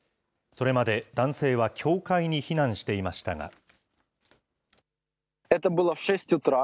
それまで男性は教会に避難していましたが。